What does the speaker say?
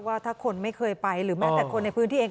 ว่าถ้าคนไม่เคยไปหรือแม้แต่คนในพื้นที่เอง